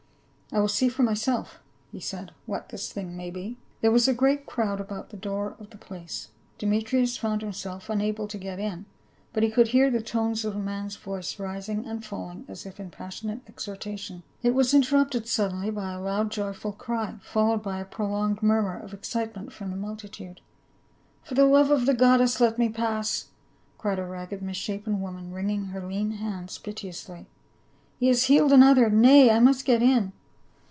" I will see for m} self," he said, " what this thing may be." 360 PA UL. There was a great crowd about the door of the place ; Demetrius found himself unable to get in, but he could hear the tones of a man's voice, rising and falling as if in passionate exhortation ; it was inter rupted suddenly by a loud joyful cry, followed by a prolonged murmur of excitement from the multitude. " For the love of the goddess, let me pass !" cried a ragged misshapen woman, wringing her lean hands piteously ; "he has healed another — Nay, I must get in."